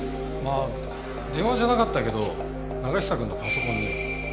まあ電話じゃなかったけど永久くんのパソコンに。